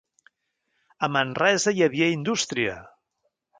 A Manresa hi havia indústria.